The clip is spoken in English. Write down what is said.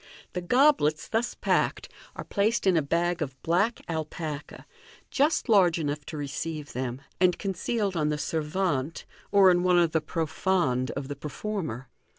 The goblets thus packed are placed in a bag of black alpaca, just large enough to receive them, and concealed on the servante, or in one of the profondes of the performer.